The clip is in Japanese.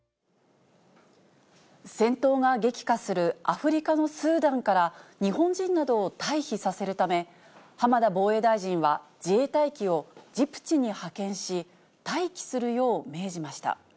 戦闘が激化するアフリカのスーダンから、日本人などを退避させるため、浜田防衛大臣は、自衛隊機をジブチに派遣し、待機するよう命じました。